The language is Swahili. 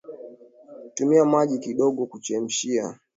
Tumia maji kidogo kuchemshia